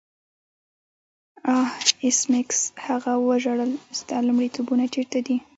آه ایس میکس هغه وژړل ستا لومړیتوبونه چیرته دي